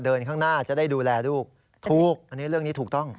ข้างหน้าจะได้ดูแลลูกถูกอันนี้เรื่องนี้ถูกต้อง